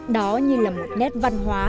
đó như là một nét văn hóa